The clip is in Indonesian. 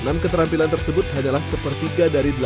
enam keterampilan tersebut hanyalah sepertiga dari delapan belas sisi